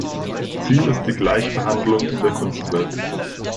Ziel ist die Gleichbehandlung in der Kunstwelt.